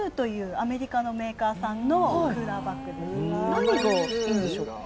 何がいいんでしょうか？